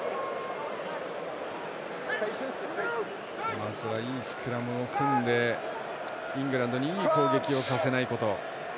まずはいいスクラムを組んでイングランドにいい攻撃をさせないこと。